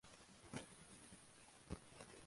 তিনি আধুনিক রোমান্টিক গান গেয়ে থাকেন।